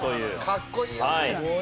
かっこいいよね。